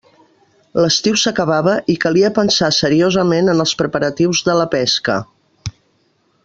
L'estiu s'acabava i calia pensar seriosament en els preparatius de la pesca.